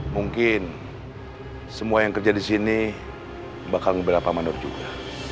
mungkin semua yang kerja di sini bakal beberapa mandor juga